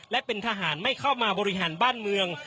และเป็นทหารไม่เข้ามาบริหารบ้านเมือง